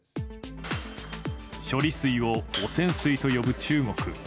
処理水を汚染水と呼ぶ中国。